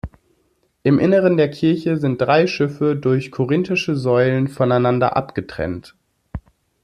Im Inneren der Kirche sind drei Schiffe durch korinthische Säulen voneinander abgetrennt.